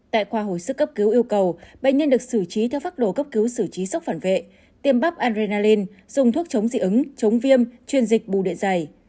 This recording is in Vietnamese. tại khoa hồi sức cấp cứu yêu cầu bệnh nhân được xử trí theo pháp đồ cấp cứu xử trí sốc phản vệ tiêm bắp adrenaline dùng thuốc chống dị ứng chống viêm chuyên dịch bù điện dày